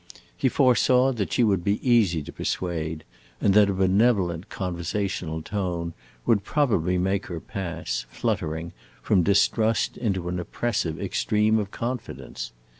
He foresaw that she would be easy to persuade, and that a benevolent conversational tone would probably make her pass, fluttering, from distrust into an oppressive extreme of confidence.